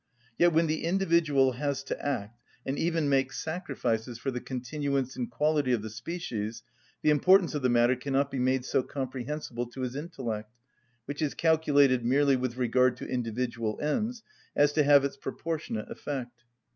Yet when the individual has to act, and even make sacrifices for the continuance and quality of the species, the importance of the matter cannot be made so comprehensible to his intellect, which is calculated merely with regard to individual ends, as to have its proportionate effect.